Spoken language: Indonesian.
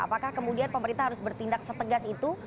apakah kemudian pemerintah harus bertindak setegas itu